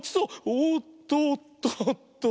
おっとっとっと！